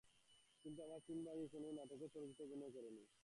কিন্তু আমরা তিন ভাই একসঙ্গে কোনো নাটকে কিংবা চলচ্চিত্রে অভিনয় করিনি।